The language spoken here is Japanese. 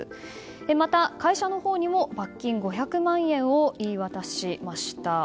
また、会社のほうにも罰金５００万円を言い渡しました。